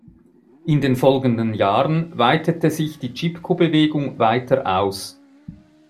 In den folgenden Jahren weitete sich die Chipko-Bewegung weiter aus.